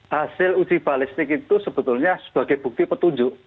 hasil uji balistik itu sebetulnya sebagai bukti petunjuk